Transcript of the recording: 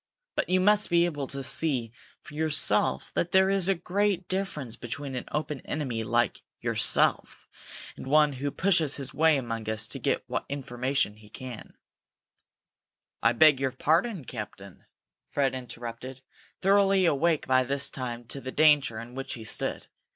But you must be able to see for yourself that there is a great difference between an open enemy like yourself and one who pushes his way among us to get what information he can " "I beg your pardon, captain," Fred interrupted, thoroughly awake by this time to the danger in which he stood.